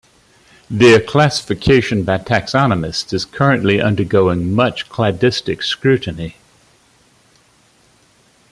Their classification by taxonomists is currently undergoing much cladistic scrutiny.